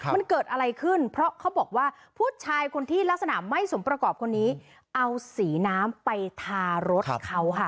มันเกิดอะไรขึ้นเพราะเขาบอกว่าผู้ชายคนที่ลักษณะไม่สมประกอบคนนี้เอาสีน้ำไปทารถเขาค่ะ